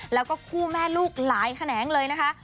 แล้วก็คู่แม่ลูกหลายแขนงเลยนะคะ